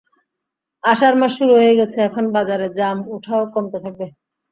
আষাঢ় মাস শুরু হয়ে গেছে, এখন বাজারে জাম ওঠাও কমতে থাকবে।